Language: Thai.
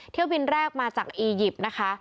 เที่ยวบินแรกมาจากอียิปต์นะคะ